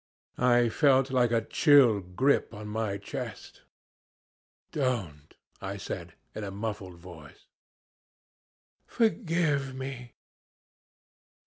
"I felt like a chill grip on my chest. 'Don't,' I said, in a muffled voice. "'Forgive me.